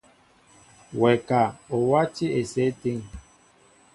Wɛ ka, o wátī esew étíŋ ?